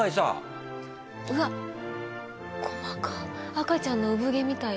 赤ちゃんの産毛みたい。